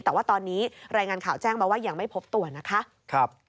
แต่ว่าตอนนี้รายงานข่าวแจ้งมาว่ายังไม่พบตัวนะคะ